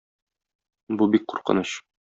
Бу бик куркыныч.